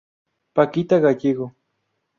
Paquita Gallego.